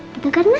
betul kan ma